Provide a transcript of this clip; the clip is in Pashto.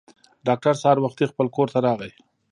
ډاکټر سهار وختي خپل کور ته راغی.